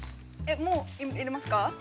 ◆もう入れますか。